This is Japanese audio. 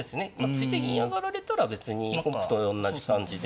突いて銀上がられたら別に本譜とおんなじ感じで。